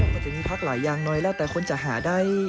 มันจะมีพักหลายอย่างน้อยแล้วแต่คนจะหาได้